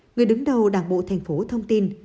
người đứng đầu đảng bộ thành phố thông tin